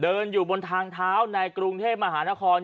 เดินอยู่บนทางเท้าในกรุงเทพมหานคร